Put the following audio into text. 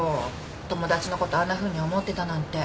友達のことあんなふうに思ってたなんて。